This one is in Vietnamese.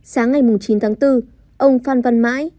sáng ngày chín tháng bốn ông phan văn mãi